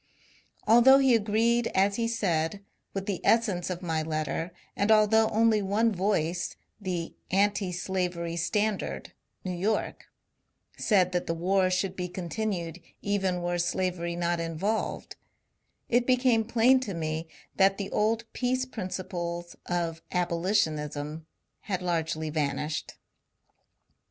Although he agreed, as he said, with the essence of my letter, and although only one voice (the " Anti Slavery Standard," New York) said that the war should be continued even were slavery not involved, it became plain to me that the old peace principles of abolition ism had largely vanished.